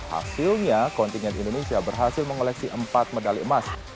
hasilnya kontingen indonesia berhasil mengoleksi empat medali emas